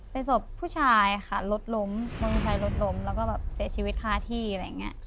เป็นศพผู้ชายค่ะรถล้มน้องชายรถล้มแล้วก็แบบเสียชีวิตคาที่อะไรอย่างนี้